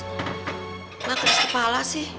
kenapa terus kepala sih